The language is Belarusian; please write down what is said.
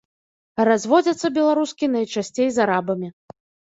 А разводзяцца беларускі найчасцей з арабамі.